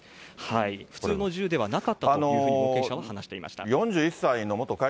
普通の銃ではなかったというふうに、目撃者は話していました。